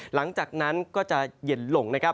หลังจากนั้นก็จะเย็นลง